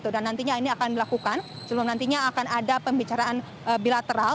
dan nantinya ini akan dilakukan sebelum nantinya akan ada pembicaraan bilateral